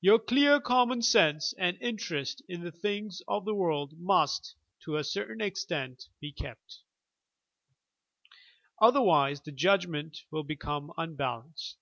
Your clear common sense and interest in the things of the world must, to a certain extent, be kept. Other wise the judgment will become unbalanced.